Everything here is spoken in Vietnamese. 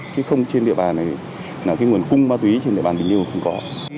chứ không trên địa bàn này là cái nguồn cung ma túy trên địa bàn bình liêu không có